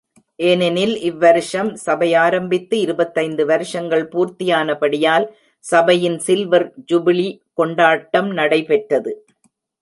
ஏனெனில், இவ்வருஷம் சபை ஆரம்பித்து இருபத்தைந்து வருஷங்கள் பூர்த்தியானபடியால், சபையின் சில்வர் ஜூபிலி கொண்டாட்டம் நடைபெற்றது.